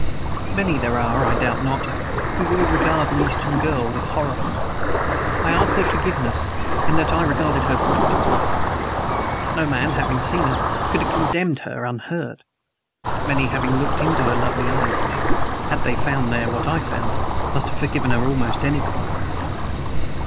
Many there are, I doubt not, who will regard the Eastern girl with horror. I ask their forgiveness in that I regarded her quite differently. No man having seen her could have condemned her unheard. Many, having looked into her lovely eyes, had they found there what I found, must have forgiven her almost any crime.